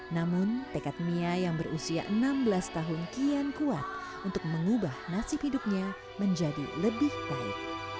namun tekad mia yang berusia enam belas tahun kian kuat untuk mengubah nasib hidupnya menjadi lebih baik